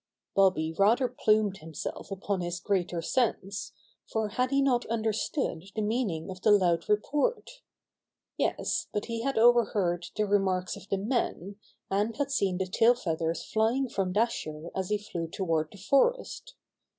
Bobby rather plumed himself upon his greater sense, for had he not understood the meaning of the loud report? Yes, but he had overheard the remarks of the men, and had 89 90 Bobby Gray Squirrel's Adventures seen the tail feathers flying from Dasher as he flew toward the forest.